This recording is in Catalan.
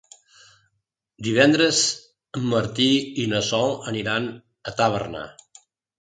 Divendres en Martí i na Sol aniran a Tàrbena.